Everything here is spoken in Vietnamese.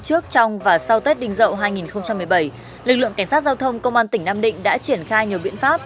trước trong và sau tết đình dậu hai nghìn một mươi bảy lực lượng cảnh sát giao thông công an tỉnh nam định đã triển khai nhiều biện pháp